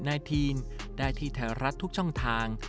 ได้ที่ไทรรัตน์ทุกแชร์ทาง